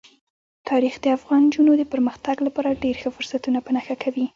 تاریخ د افغان نجونو د پرمختګ لپاره ډېر ښه فرصتونه په نښه کوي.